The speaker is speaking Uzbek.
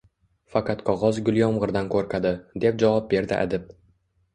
— Faqat qog’oz gul yomg’irdan qo’rqadi, — deb javob berdi adib.